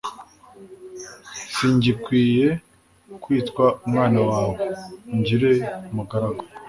singikwiye kwitwa umwana wawe, ungire umugaragu